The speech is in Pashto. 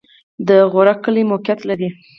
د غورک کلی موقعیت